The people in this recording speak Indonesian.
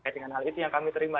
dengan hal itu yang kami terima